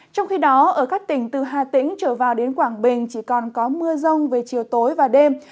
trong khi đó ở các tỉnh từ hà tĩnh trở vào đến quảng bình chỉ còn có mưa rông về chiều tối và đêm